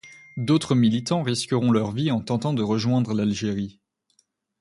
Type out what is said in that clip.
D'autres militants risqueront leur vie en tentant de rejoindre l'Algérie.